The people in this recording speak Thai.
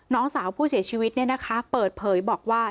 น้องสาวผู้เสียชีวิตเปิดเผยบอกว่า